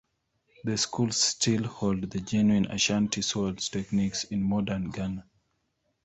The schools still hold the genuine Ashanti Swords techniques in modern Ghana.